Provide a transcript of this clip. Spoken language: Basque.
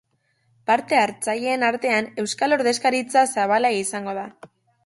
Parte-hartzaileen artean euskal ordezkaritza zabala izango da.